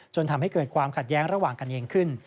จนทำให้เกิดความขัดแย้งระหว่างกันเองขึ้น